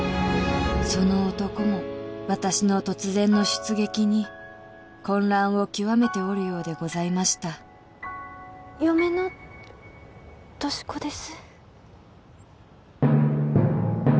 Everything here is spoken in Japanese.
その男も私の突然の出撃に混乱を極めておるようでございました嫁の俊子です